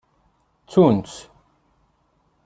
Ttun-tt.